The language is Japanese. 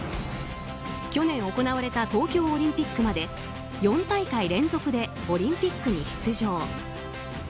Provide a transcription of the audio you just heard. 去年行われた東京オリンピックまで４大会連続でオリンピックに出場。